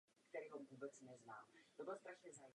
Na samém vrcholku věže pak byl umístěn televizní vysílač.